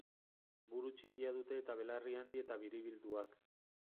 Buru txikia dute eta belarri handi eta biribilduak.